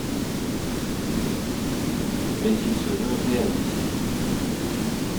Mais il se veut réaliste.